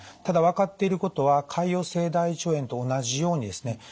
ただ分かっていることは潰瘍性大腸炎と同じようにですね